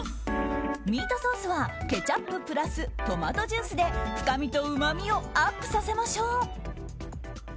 ミートソースはケチャッププラストマトジュースで深みとうまみをアップさせましょう。